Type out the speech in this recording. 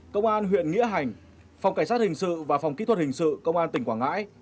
công an huyện nghĩa hành phòng cảnh sát hình sự và phòng kỹ thuật hình sự công an tỉnh quảng ngãi